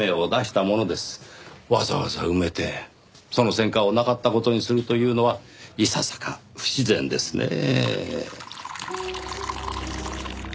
わざわざ埋めてその戦果をなかった事にするというのはいささか不自然ですねぇ。